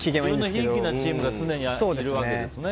自分のひいきなチームが常にいるわけですね。